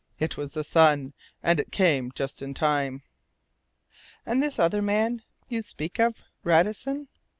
It was the sun, and it came just in time." "And this other man you speak of, Radisson?"